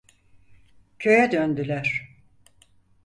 Köye döndüler.